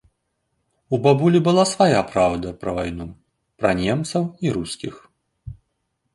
У бабулі была свая праўда пра вайну, пра немцаў і рускіх.